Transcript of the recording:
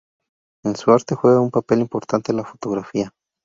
En su arte juega un papel importante la fotografía.